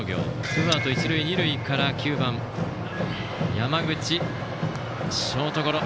ツーアウト、一塁二塁から９番、山口はショートゴロ。